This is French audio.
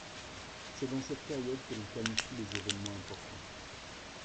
C'est dans cette période que l'on planifie les évènements importants.